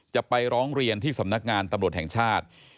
จะไปร้องเรียนที่สำนักงานตำรวจแห่งชาติ